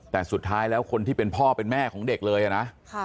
แต่สุดท้ายแล้วคนที่เป็นพ่อเป็นแม่ของเด็กเลยนะ